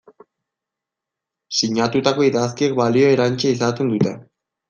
Sinatutako idazkiek balio erantsia izaten dute.